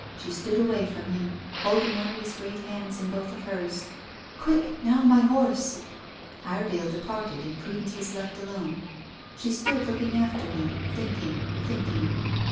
She stood away from him holding one of his great hands in both of hers. "Quick! Now my horse." Iredale departed, and Prudence was left alone. She stood looking after him thinking, thinking.